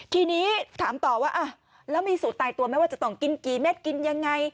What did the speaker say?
ทีนี้ถามต่อว่าแล้วมีสูตรตายตัวไหมว่าจะต้องกินกี่เม็ดกินยังไง